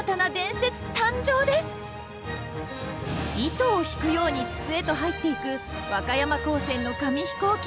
糸を引くように筒へと入っていく和歌山高専の紙飛行機。